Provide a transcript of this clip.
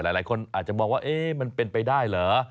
หลายคนอาจจะมองว่ามันเป็นไปได้เหรอ